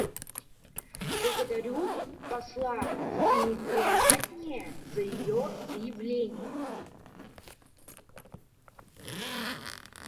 Благодарю посла Сеневиратне за ее заявление.